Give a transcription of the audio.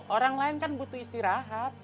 orang lain kan butuh istirahat